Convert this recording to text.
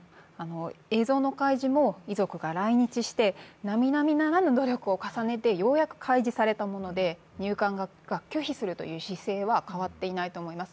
映像の開示も遺族が来日して、なみなみならぬ努力を重ねてようやく開示されたもので、入管が拒否するという姿勢は変わっていないと思います。